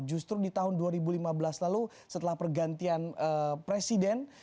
justru di tahun dua ribu lima belas lalu setelah pergantian presiden